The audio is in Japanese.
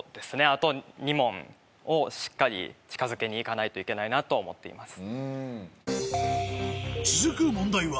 あと２問をしっかり近づけに行かないといけないなと思っています。